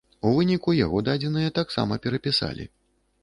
У выніку яго дадзеныя таксама перапісалі.